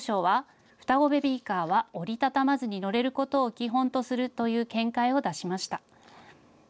そして去年３月、国土交通省は双子ベビーカーは折り畳まずに乗れることを基本とするという見解を出しました。